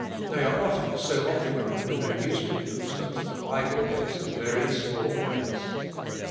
They are often so occupied with their newspapers that the Bible gets a very small place.